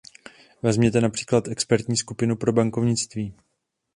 Vezměte například expertní skupinu pro bankovnictví.